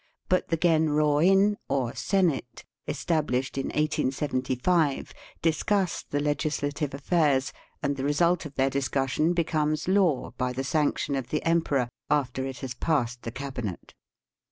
But the Genroin or Senate, established in 1876, discuss the legislative affairs, and the result of their discussion becomes law by the sanction of the emperor, after it has passed the Cabinet.